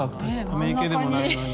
ため池でもないのに。